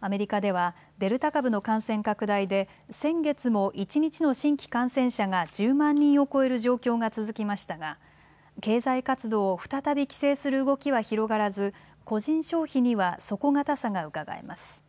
アメリカではデルタ株の感染拡大で先月も一日の新規感染者が１０万人を超える状況が続きましたが経済活動を再び規制する動きは広がらず個人消費には底堅さがうかがえます。